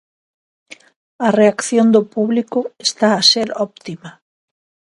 A reacción do público está a ser óptima.